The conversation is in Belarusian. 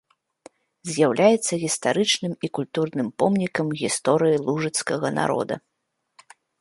З'яўляецца гістарычным і культурным помнікам гісторыі лужыцкага народа.